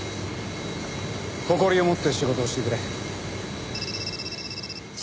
誇りを持って仕事をしてくれ。